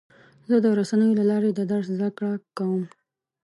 زه د رسنیو له لارې د درس زده کړه کوم.